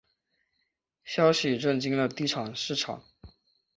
消息震惊了地产市场。